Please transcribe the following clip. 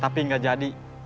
tapi gak jadi